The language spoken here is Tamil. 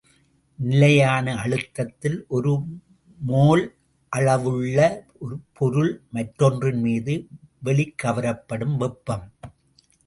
நிலையான அழுத்தத்தில் ஒரு மோல் அளவுள்ள பொருள் மற்றொன்றின்மீது வெளிக்கவரப்படும் வெப்பம்.